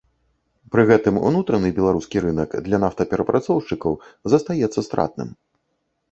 Пры гэтым унутраны беларускі рынак для нафтаперапрацоўшчыкаў застаецца стратным.